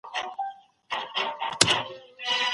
په ژبپوهنه او ګرامر کي هم باید څېړني وسي.